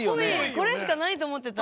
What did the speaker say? これしかないと思ってた。